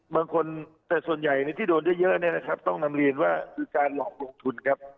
บางคนแต่ส่วนใหญ่ที่โดนเยอะเนี่ยนะครับต้องนำเรียนว่าคือการหลอกลงทุนครับ